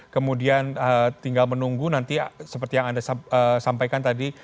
kemudian tinggal menunggu nanti seperti yang anda sampaikan tadi